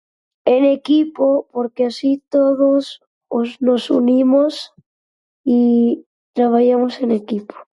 En equipo porque así todos os nos unimos i traballamos en equipo.